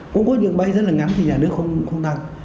cũng có đường bay rất là ngắn thì nhà nước không tăng